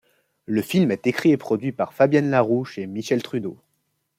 Le film est écrit et produit par Fabienne Larouche et Michel Trudeau.